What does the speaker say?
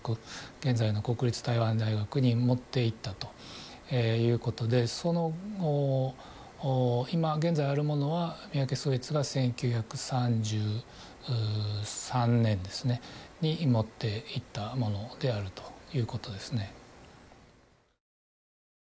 現在の国立台湾大学に持っていったということでその今現在あるものは三宅宗悦が１９３３年ですねに持っていったものであるということですね